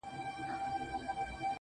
• ستا د تورو سترگو اوښکي به پر پاسم.